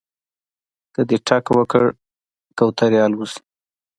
که دې ټک وکړ کوترې الوځي